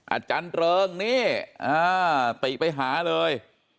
อาจารย์เริงนี่ติไปหาเลย